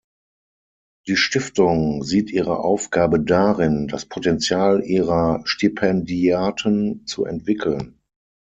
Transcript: Die Stiftung sieht ihre Aufgabe darin, das Potenzial ihrer Stipendiaten zu entwickeln.